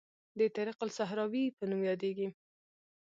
د طریق الصحراوي په نوم یادیږي.